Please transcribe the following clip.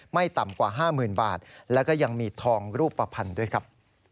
ไม่ต่ำกว่า๕๐๐๐บาทแล้วก็ยังมีทองรูปภัณฑ์ด้วยครับ